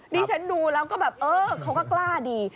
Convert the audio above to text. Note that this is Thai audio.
ดิฉันดูแล้วก็แบบเออเขาก็กล้าดี